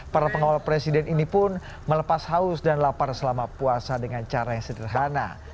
para pengawal presiden ini pun melepas haus dan lapar selama puasa dengan cara yang sederhana